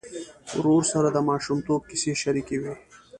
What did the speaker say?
ورور سره د ماشومتوب کیسې شريکې وې.